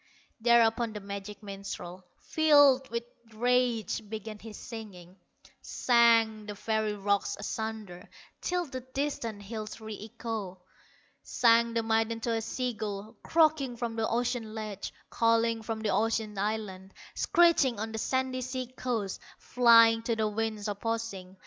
Thereupon the magic minstrel, Filled with rage, began his singing; Sang the very rocks asunder, Till the distant hills re echoed; Sang the maiden to a sea gull, Croaking from the ocean ledges, Calling from the ocean islands, Screeching on the sandy sea coast, Flying to the winds opposing.